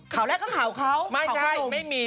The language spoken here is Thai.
ข่าวแรกก็ข่าวเขาข่าวผสม